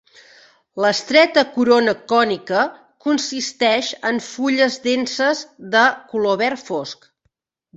L'estreta corona cònica consisteix en fulles denses de color verd fosc.